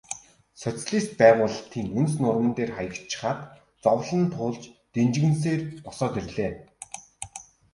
Социалист байгуулалтын үнс нурман дээр хаягдчихаад зовлон туулж дэнжгэнэсээр босоод ирлээ.